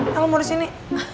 kamu mau di sini